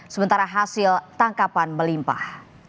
sementara hasil tangkapan melimpah